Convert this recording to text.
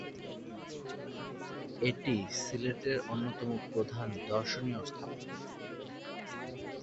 এটি সিলেটের অন্যতম প্রধান দর্শনীয় স্থাপনা।